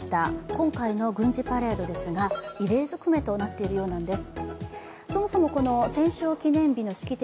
今回の軍事パレードですが異例ずくめとなっているようなんです。